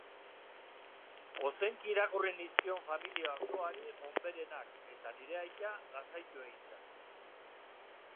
Ozenki irakurri nizkion familia osoari onberenak, eta nire aita lasaitu egin zen.